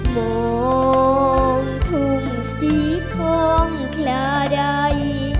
มองทุ่งสีทองคลาใด